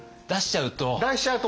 出しちゃうと。